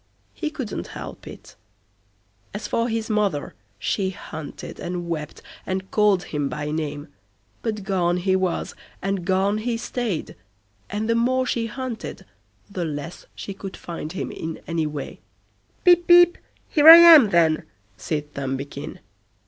He couldn't help it. As for his mother, she hunted, and wept, and called him by name; but gone he was, and gone he stayed; and the more she hunted, the less she could find him in any way. "Pip, Pip, here I am then", said Thumbikin.